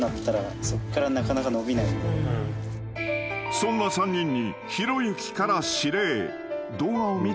［そんな３人に］